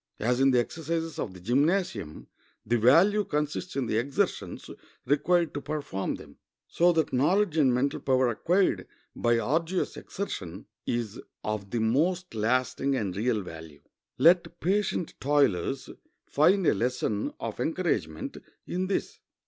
As in the exercises of the gymnasium the value consists in the exertions required to perform them, so that knowledge and mental power acquired by arduous exertion is of the most lasting and real value. Let patient toilers find a lesson of encouragement in this.